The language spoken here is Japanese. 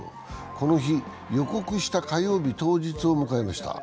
この日、予告した火曜日当日を迎えました。